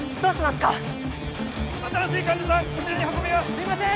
すいません！